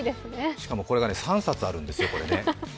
しかもこれが３冊あるんですよ。